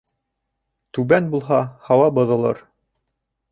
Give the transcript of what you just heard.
Түбән булһа, һауа боҙолор.